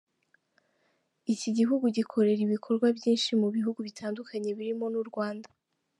Iki gihugu gikorera ibikorwa byinshi mu bihugu bitandukanye birimo n’ u Rwanda.